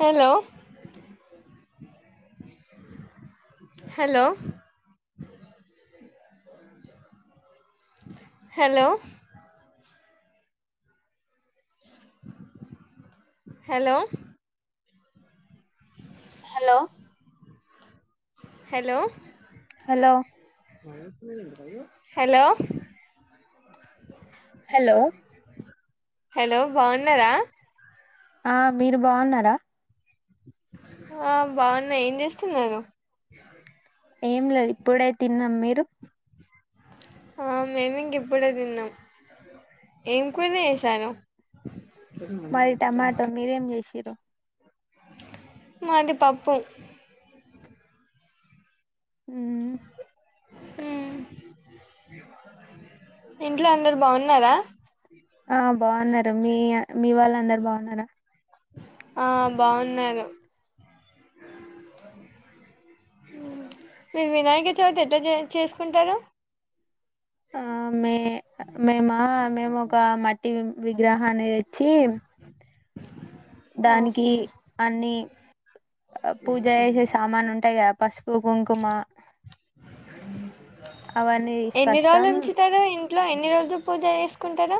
Hello hello hello hello hello hello hello hello hello hello బాగున్నారా ఆ మీరు బాగున్నారా ఆ బాగున్నా ఏం చేస్తున్నారు ఏం లేదు ఇప్పుడే తిన్నాం మీరు ఆ మేము ఇంక ఇప్పుడే తిన్నాం ఏం కూర చేసారు మాది టమాట మీరేం చేసిర్రు మాది పప్పు మ్ మ్ ఉమ్ ఇంట్లో అందరు బాగున్నారా ఆ బాగున్నారు మీ మీ వాళ్ళు అందరు బాగున్నారా ఆ బాగున్నారు మీరు వినాయక చవితి ఎట్ల చే చేసుకుంటారు ఆ మే మేమ మేము ఒక మట్టి విగ్రహాన్ని తెచ్చి దానికి ఆహా అన్ని పూజ చేసే సామాను ఉంటాయి కద పసుపు కుంకుమ అవన్నీ ఎన్ని రోజులు తీసకస్తాం ఉంచుతారు ఇంట్లో ఎన్ని రోజులు పూజ చేసుకుంటరు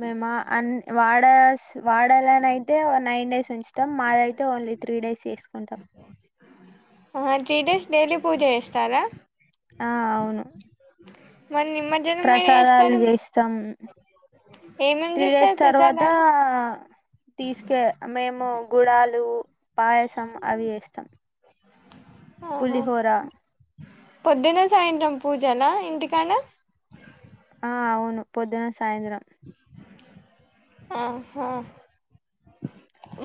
మేము అ అన్ వాడస్ వాడాలన అయితే నైన్ డేస్ ఉంచుతాం మాదయితే ఓన్లీ త్రీ డేస్ చేసుకుంటాం ఆ త్రీ డేస్ డైలీ పూజ చేస్తారా ఆ అవును మరి నిమజ్జనం మీరు ప్రసాదాలు చేస్తారు చేస్తం ఏమేం త్రీ డేస్ చేస్తారు తర్వాతా ప్రసాదాలు తీసకే మేము గుడాలు పాయసం అవి చేస్తాం ఓ హొ పులిహోర పొద్దున సాయంత్రం పూజనా ఇంటికన్నే ఆ అవును పొద్దున సాయంత్రం ఆహా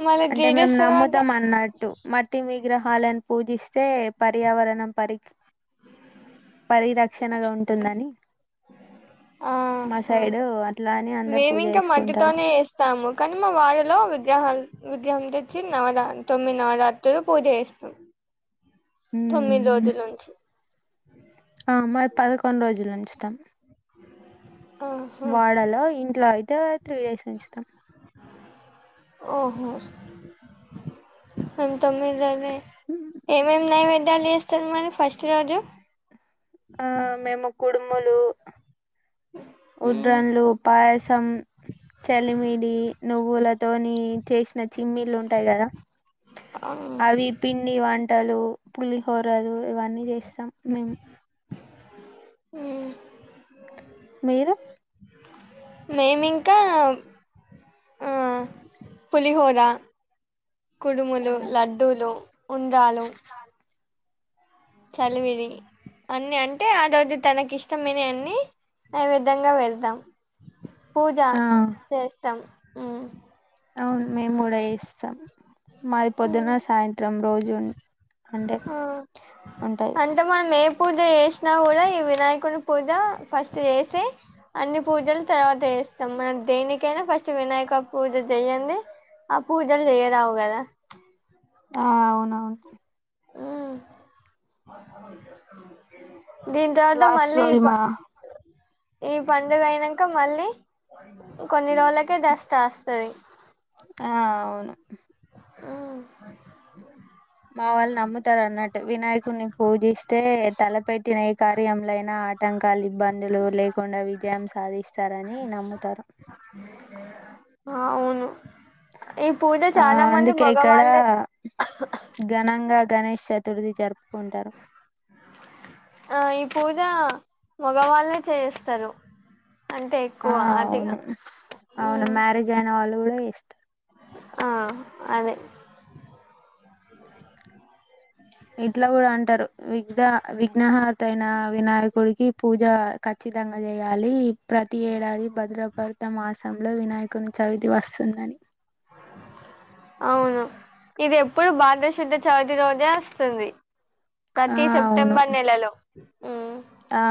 మళ్ళీ త్రీ అంటే మేము డేస్ తర్వాత నమ్ముతం అన్నట్టు మట్టి విగ్రహాలను పూజిస్తే పర్యావరణం పరిషి పరిరక్షణగా ఉంటుందని అ మా ఆహ సైడ్ అట్లా అని అందరు పూజ మేమింక చేసుకుంటారు మట్టితోనే చేస్తాము కానీ మా వాడ లో విగ్రహాలు విగ్రహం తెచ్చి నవరా తొమ్మిది నవరాత్రులు పూజ చేస్తాం తొమ్మిది ఉమ్ రోజుల నుంచి ఆ మాది పదకొండు రోజులుఉంచుతాం ఆహా వాడలో ఇంట్లో అయితే త్రీ డేస్ ఉంచుతాం ఓహో మేం తొమ్మిది రోజులే ఉమ్. ఏమేమి నైవేద్యాలు చేస్తరు మరి ఫస్ట్ రోజు ఆ మేము కుడుములు ఉడ్రన్లు పాయసం చలిమిడి నువ్వుల తోని చేసిన చిమ్మీళ్లు ఉంటయి కదా అవి పిండి వంటలు పులిహోరలు ఇవన్నీ చేస్తాం మేము ఆ మీరు మేమింక ఆ పులిహోరా కుడుములు లడ్డూలు ఉండ్రాలు చలివిడి అన్ని అంటే ఆ రోజు తనకి ఇష్టమైనవి అన్ని నైవేద్యంగా వెడతం పూజ ఆ చేస్తాం ఉ అవును మేము కూడా చేస్తాం మాది పొద్దున్న సాయంత్రం రోజు అంటే ఆ ఉంటాయి అంటే మనం ఏ పూజ చేసిన కూడా ఈ వినాయకుని పూజ ఫస్ట్ చేస్తే అన్ని పూజలు తర్వాత ఏ ఇస్తాం మన దేనికైనా ఫస్ట్ వినాయక పూజ చెయ్యంది అ పూజలు చేయరావు కద ఆ అవునవును ఉం దీని తర్వాత లాస్ట్ మళ్ళీ రోజు పా మా ఈ పండుగ అయినాక మళ్ళీ కొన్ని రోజులకే డస్రా వస్తాది ఆ అవును ఉమ్ మా వాళ్ళు నమ్ముతారన్నట్టు వినాయకుడిని పూజిస్తే తల పెట్టిన ఏ కార్యంలో అయినా ఆటంకాలు ఇబ్బందులు లేకుండా విజయం సాధిస్తారని నమ్ముతారు ఆ అవును ఈ పూజ ఆ చాలా మంది అందుకే ఇక్కడ మగవాళ్ళే ఘనంగా గణేష్ చతుర్థీ జరు ఆ ఈ పూజ్ జా మగవాళ్ళే చేయిస్తారు ఆ అవును అవును ఉమ్, మ్యారేజ్ అయిన వాళ్ళు కూడా ఇస్తారు ఆ అదే ఇట్లా కూడా అంటారు విఘ్ విఘ్నాహత అయిన వినాయకుడికి పూజ ఖచ్చిత విధంగా చేయాలి ప్రతి ఏడాది భద్రప్రత మాసంలో వినాయకుని చవితి వస్తుందని అవును ఇది ఎప్పుడు భదశుద్ధ చవితి రోజే వస్తుంది ఆ ప్రతి అవును సెప్టెంబర్ నెలలో ఉమ్ ఆ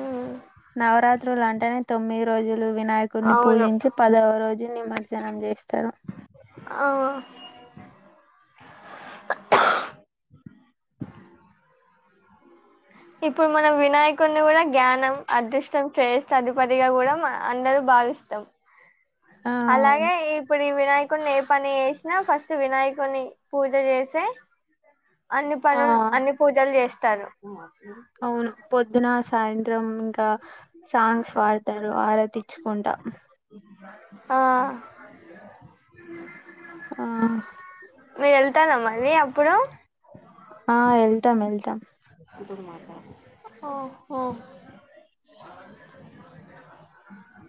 ఉమ్, నవరాత్రులు అంటేనే తొమ్మిది రోజులు వినాయకుడిని అవును పూజించి పదవ రోజు నిమజ్జనం చేస్తారు ఆహ్ [inaudible] ఇప్పుడు మనం వినాయకుడిని కూడా జ్ఞనం అదృష్టం చేస్తే అధపతిగా కూడా మా అందరూ భావిస్తాం ఆ అలాగే అవును ఇప్పుడు ఈ వినాయకుడిని ఏ పని చేసినా ఫస్ట్ వినాయకు కొన్ని పూజ చేసి అన్ని పనులు ఆ అన్ని పూజలు చేస్తారు అవును పొద్దున సాయంత్రం ఇంకా సాంగ్స్ పాడతారు ఆరా తిచ్చుకుంటా ఆ ఆ మీరు వెళ్తారా మళ్ళీ అప్పుడు ఆ వెళ్తాం వెళ్తాం ఓహో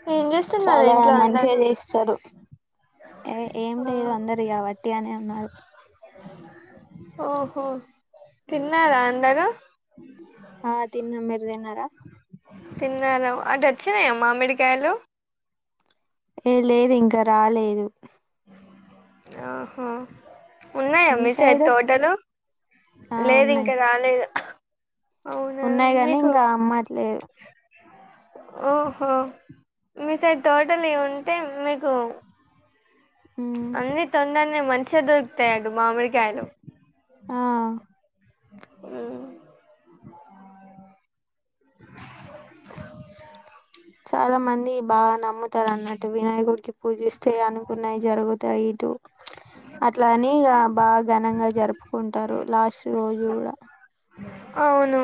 [inaudible] చేస్తున్నారు చాలా ఇంట్లో మంచిగా అందరూ చేస్తారు ఏ ఏం ఆ లేదు అందది కాబట్టి అని అన్నారు ఓహో తిన్నరా అందరు ఆ తిన్నం మీరుతిన్నారా తిన్నాం అటు వచ్చినాయ మామిడికాయలు ఏ లేదు ఇంకా రాలేదు ఆహో ఉన్నాయ మీ సైడ్ తోటలు ఆ లేదు ఉన్నాయి ఇంకా రాలేదు అవునా ఉన్నాయి గాని మీకు ఇంగా అమ్మట్లే ఓహో మీ సైడ్ తోటల్ ఇవి ఉంటే మీకు ఉమ్ అన్ని తొందరనే మంచిగా దొరుకుతయండి. మామిడికాయలు ఆ హుహ్ [inaudible] చాలా మంది బాగా నమ్ముతారు. అన్నట్టు వినాయకుడికి పూజిస్తే అనుకున్నాయి, జరుగుతాయి ఇటు. అట్లాని ఇగా బాగా ఘనంగా జరుపుకుంటారు. లాస్ట్ రోజు కూడా అవును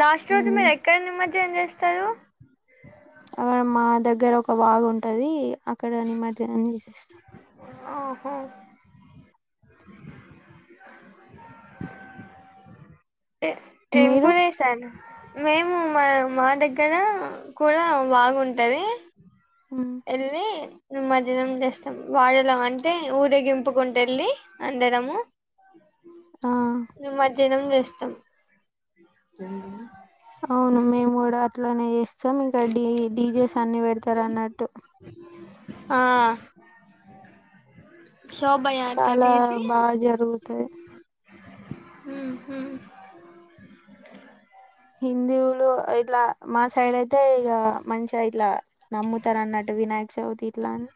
లాస్ట్ రోజు ఉమ్ మీరు ఎక్కడ నిమర్జనం చేస్తరు. అక్కడ మా దగ్గర ఒక వాగుంటది. అక్కడ ననిమజ్జనం చేచోస్తాం. ఆహో ఏం మీరు కొనేసాను మేము మా మా దగ్గర కూడా కులా బాగుంటది. ఉమ్, ఏళ్ళి నిమర్జనం జేస్తం. వాడెలో అంటే ఊరేగింపుకుంటూ వెళ్ళి అందరము ఆ దినం చేస్తాం అవును మేము కూడా అట్లనే యేస్ సోమ్ ఇంకా డి డీజేస్ అన్ని పెడతారు అన్నట్టు ఆ శోభయా అట్ట చాలా తీసి బాగా జరుగుతది హుహూ హిందీవులు ఇట్లా మా సైడైత్ అంతే ఇగా మంచిగా ఇట్లా నమ్ముతరు. అన్నట్టు వినాయక చవితి ఇట్లాని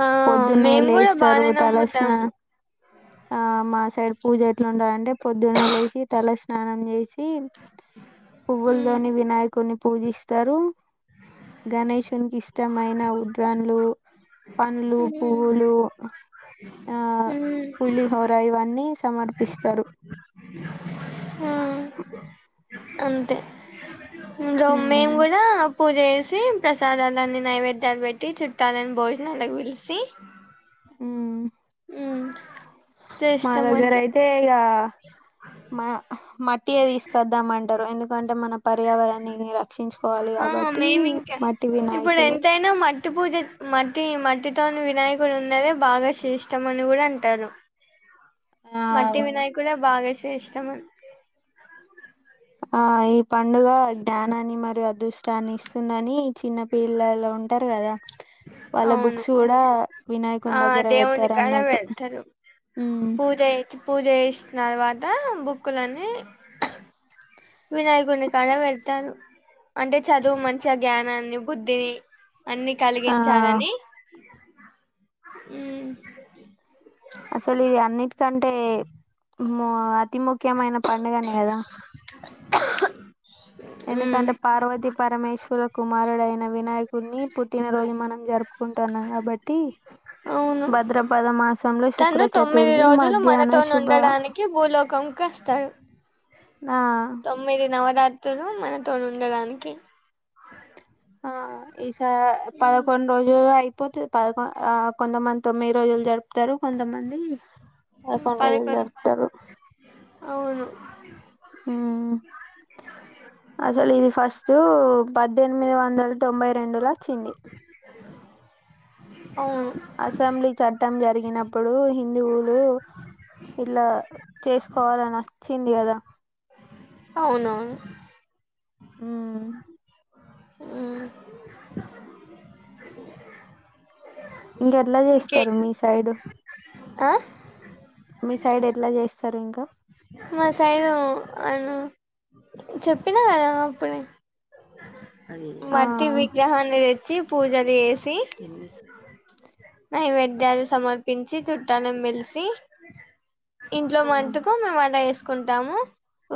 ఆ పొద్దున్నే మేము కూడా లేసరు. బానే తల స్నాన నమ్ముతాము ఆ మా సైడ్ పూజ ఎట్లుటదంటే పొద్దున్నే లేసి తల స్నానం చేసి హిం మ్మ్, పువ్వులదోని వినాయకుడిని పూజిస్తరు. గణేషునికి ఇష్టమైన ఉడ్రాన్లు పండ్లు మ్మ్. పువ్వులు ఆ ఆ పులిహోర ఇవన్ని సమర్పిసరు. అంతే గో మేం ఉమ్ కూడా పూజేస్ సి ప్రసాదాలన్నీ నైవేద్యాలు పెట్టి చుట్టాలని భోజనాలకు పిల్సి హుహుమ్ మా చేస్తాము దగ్గర అట్లా అయితే ఇగా మా మట్ టీయా తీసుకొనద్దామంటారు. ఎందుకంటే మన పర్యావరణా నీనిరా ఆ మేమి ఇంకా ఇప్పుడు వినాయకులే ఎంతైనా మ పట్టి పూజ మట్టి, మట్టితో వినాయకుడు ఉన్నదే బాగా శ్రేష్టం అని కూడా అంటారు. ఆ మట్టి అవును వినయ్ కూడా బాగా సేస్తామన్ ఆ ఈ పండుగ డానని మరి అద్ దుష్టాన్ని ఇసుందని చిన్న పిల్లలు ఉంటార్ కదా వాళ్ళ అవును బుక్స్ కూడా ఆ వినాయకుని దగ్గర దేవుని పెడతారు కాడ అన్నట్టు పెడతారు ఉమ్ పూజ ఎత్ పూజ చేసిన తర్వాత బుక్కులన్ని వినాయకుని కాడ విడతారు అంటే చదువు మంచిగా జ్ఞానాన్ని బుద్ధిని అన్ని ఆ కలిగించాలని హు మో అతి ముఖ్యమైన పడుగనే కదా మ్మ్ ఎందుకంటే పార్వతి పరమేశ్వర కుమారుడు అయిన వినాయకుడిని పుట్టినరోజు మనం జరుపుకుంటున్నాం కాబట్టి అవును భద్రపద మాస్ తను తొమ్మిది రోజులు శుభ మనతోనుండడానికి భూలోకంకి వస్తాడు ఆ తొమ్మిది నవరాత్రులు మనతోనుండడానికి ఆ ఈసా మ్మ్ పదకొండు రోజులు అయిపోతుది పదకొ ఆ కొంతమంది తొమ్మిది రోజులు జరుపుతారు. కొంతమంది పదకొండు రోజులు జరుపుతారు అవును ఉమ్ ూ పద్దెనిమిది వందల తొంభై రెండులో వచ్చింది అవును అసెంబ్లీ చట్టం జరిగినప్పుడు హిందువులు ఇలా చేసుకోవాలని వచ్చింది కదా అవునవును మ్మ్ మ్మ్ ఇంకెట్ల ఇంకే చేస్తారు మీ సైడు ఆ మీ సైడ్ ఎట్లా చేస్తారు ఇంకా మా సైడ్ వాళ్ళు చెప్పినా కదా అప్పుడే ఆ మట్టి విగ్రహాన్ని తెచ్చి, పూజలు చేసి నైవేద్యాలు సమర్పించి, చుట్టాలను పిలిసి ఇంట్లో ఆ మంటుకు మేము అలా చేస్ కుంటాము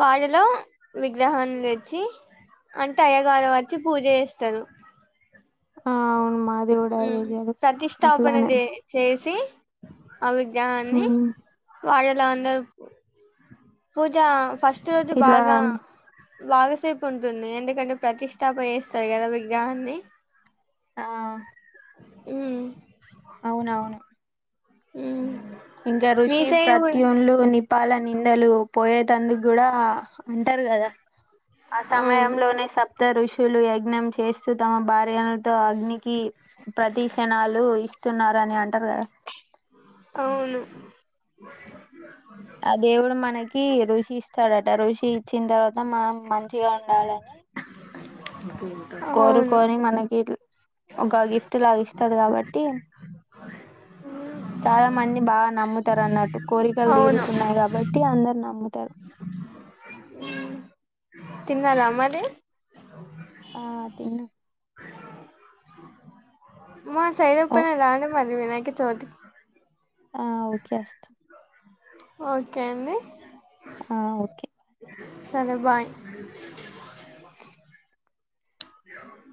వాటిలో విగ్రహాన్ని తెచ్చి అంటే అయ్యా గారు వచ్చి పూజ చేస్తారు ఆ అవును మాది కూడా అదే జరు ప్రతిష్టాపన అట్లానే చే చేసి ఆ విగ్రహాన్ని ఉమ్. వాళలో అందరూ పూజ ఫస్ట్ రోజు ఇట్లా బాగా బాగా సేపు ఉంటుంది ఎందుకంటే ప్రతిష్టాపన చేస్తారు కదా విగ్రహాన్ని ఆ మ్మ్ అవునవును మ్మ్ ఇంకా ఋషి ప్రత్యుల్లు ని పాల నిందలు పోయే తందుకు కూడా అంటారు కదా ఆ అవును సమయంలోనే సప్త ఋషులు యజ్ఞం చేస్తూ తమ భార్యలతో అగ్ని కి ప్రదిశణలు ఇస్తున్నారు అని అంటారు కదా అవును ఆ దేవుడు మనకి ఋషి ఇస్తాడట ఋషి ఇచ్చిన తర్వాత మన మ ంచి గా ఉండాలని అవును కోరుకొని మనకి ఇట్ల ఒక గిఫ్ట్ లాగా ఇస్తాడు కాబట్టి ఆ చాలా మంది బాగా నమ్ముతారు అన్నట్టు కోరికలు తీరుతున్నాయి కాబట్టి అందరు నమ్ముతారు తిన్నార మరి ఆ తిన్నాం మా సైడు ఓ [unintelligible] మది వినాయక చవితికి ఆ ఓకే వస్తాం ఓకే అండి ఆ ఓకే సరే బాయ్ ఆ